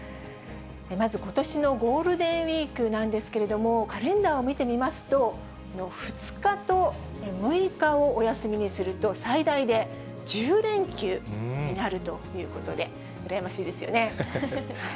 まずことしのゴールデンウィークなんですけれども、カレンダーを見てみますと、２日と６日をお休みにすると、最大で１０連休になるということで、羨ましいですよね。